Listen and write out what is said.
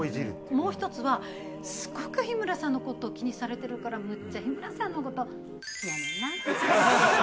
もう１つはすごく日村さんのことを気にされてるからむっちゃ日村さんのこと。